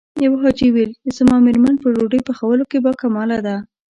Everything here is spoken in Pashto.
يوه حاجي ويل چې زما مېرمن په ډوډۍ پخولو کې باکماله ده.